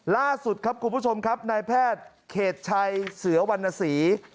ล่าสุดครับคุณผู้ชมครับนายแพทย์เขตชัยเสือวรรณศรี